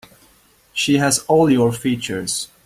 She has all your features.